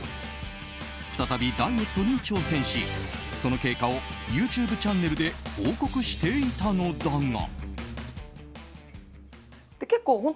再びダイエットに挑戦しその経過をＹｏｕＴｕｂｅチャンネルで報告していたのだが。